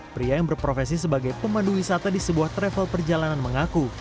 pria yang berprofesi sebagai pemandu wisata di sebuah travel perjalanan mengaku